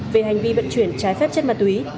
về hành vi vận chuyển trái phép chất ma túy